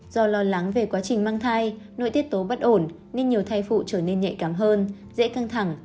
do lo lắng về quá trình mang thai nội tiết tố bất ổn nên nhiều thai phụ trở nên nhạy cảm hơn dễ căng thẳng